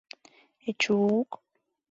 Эчу-ук!